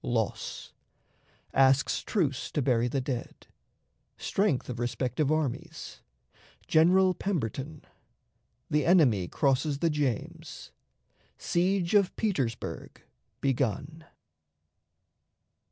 Loss. Asks Truce to bury the Dead. Strength of Respective Armies. General Pemberton. The Enemy crosses the James. Siege of Petersburg begun.